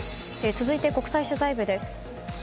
続いて国際取材部です。